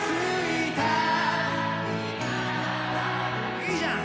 いいじゃん。